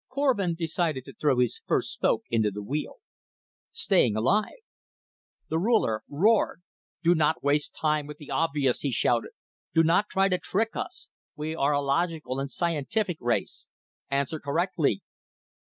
Korvin decided to throw his first spoke into the wheel. "Staying alive." The Ruler roared. "Do not waste time with the obvious!" he shouted. "Do not try to trick us; we are a logical and scientific race! Answer correctly."